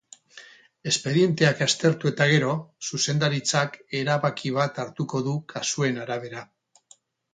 Espedienteak aztertu eta gero, zuzendaritzak erabaki bat hartuko du kasuen arabera.